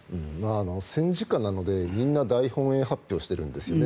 戦時下なので、みんな大本営発表しているんですね。